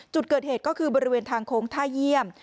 จุดเกิดเหตุก็คือบริเวณทางโค้งท่าเยี่ยม